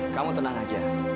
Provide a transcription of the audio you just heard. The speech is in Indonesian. kamu tenang aja